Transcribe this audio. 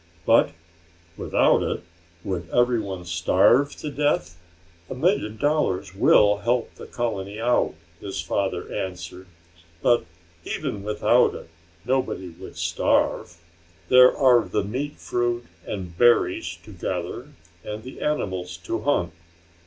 "But, without it, would everybody starve to death?" "A million dollars will help the colony out," his father answered. "But even without it, nobody would starve. There are the meat fruit and berries to gather and the animals to hunt.